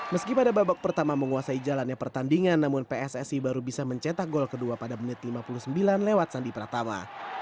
meski pada babak pertama menguasai jalannya pertandingan namun pssi baru bisa mencetak gol kedua pada menit lima puluh sembilan lewat sandi pratama